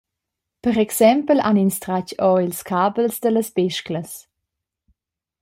Per exempel han ins tratg ora ils cabels dallas besclas.